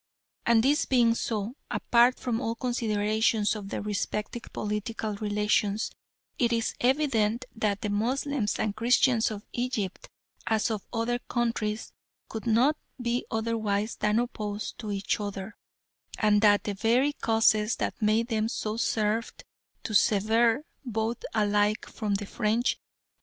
And this being so, apart from all considerations of their respective political relations, it is evident that the Moslems and Christians of Egypt as of other countries could not be otherwise than opposed to each other, and that the very causes that made them so served to sever both alike from the French.